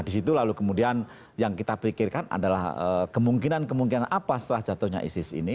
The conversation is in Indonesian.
di situ lalu kemudian yang kita pikirkan adalah kemungkinan kemungkinan apa setelah jatuhnya isis ini